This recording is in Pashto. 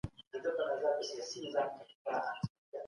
د سياسي علومو د بنسټيزي منځپانګي پېژندل اړين دي.